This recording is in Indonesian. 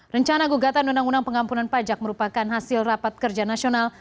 rencana gugatan undang undang pengampunan pajak merupakan hasil rapat kerja nasional